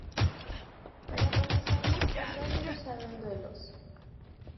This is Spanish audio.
Pero con los años pasó a ser usado en duelos.